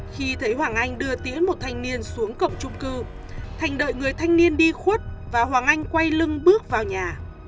khi thấy hoàng anh đưa tiễn một thanh niên xuống cổng trung cư thành đợi người thanh niên đi khuất và hoàng anh quay lưng bước vào nhà